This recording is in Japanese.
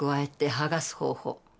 剥がす方法。